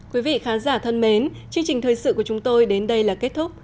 quý vị khán giả thân mến chương trình thời sự của chúng tôi đến đây là kết thúc